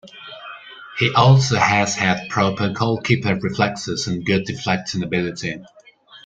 He also has had proper goalkeeper reflexes and good deflecting ability.